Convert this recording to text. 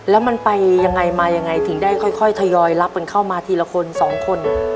แล้วมันไปยังไงมายังไงถึงได้ค่อยทยอยรับกันเข้ามาทีละคนสองคน